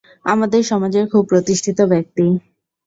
আমাদের সমাজের খুব প্রতিষ্ঠিত ব্যাক্তি।